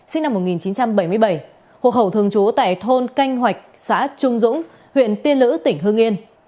sinh năm một nghìn chín trăm bảy mươi bảy hộ khẩu thường trú tại thôn canh hoạch xã trung dũng huyện tiên lữ tỉnh hương yên